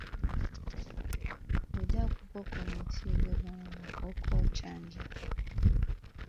Odeakwụkwọ Kọmitii Gọvanọ maka Ọkụ Ochanja